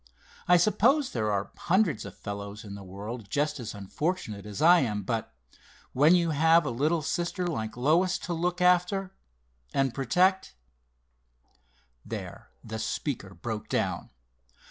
I suppose there are hundreds of fellows in the world just as unfortunate as I am, but when you have a little sister like Lois to look after, and protect——" There the speaker broke down.